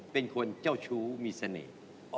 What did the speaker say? เป็นคนเจ้าชู้มีเสน่ห์